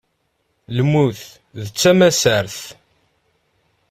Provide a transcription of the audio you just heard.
Lmut d tamassaṛt.